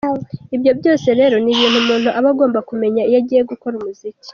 Ibyo byose rero ni ibintu umuntu aba agomba kumenya iyo agiye gukora umuziki.